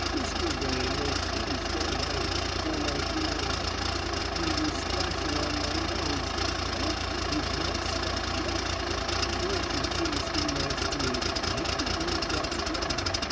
"Mr. Rain, oh, please go 'way! For my feet are wet. And you're splashing on my nose. What? You can't stop yet? "Won't you please be nice to me Make your raindrops dry.